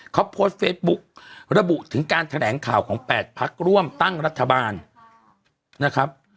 เขาโพสต์เฟซบุ๊กระบุถึงการแถลงข่าวของ๘พักร่วมตั้งรัฐบาลนะครับ